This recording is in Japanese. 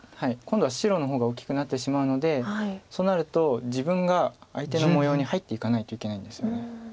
今度は白の方が大きくなってしまうのでそうなると自分が相手の模様に入っていかないといけないんですよね。